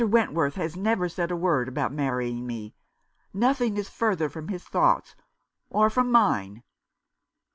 Went worth has never said a word about marrying me. Nothing is further from his thoughts — or from mine."